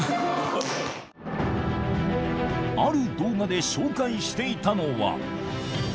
ある動画で紹介していたのは。